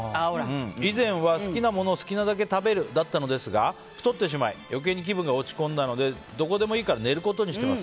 以前は、好きなものを好きなだけ食べるだったのですが太ってしまい余計に気分が落ち込んだのでどこでもいいから寝ることにしています。